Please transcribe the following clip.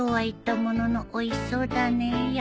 言ったもののおいしそうだねえ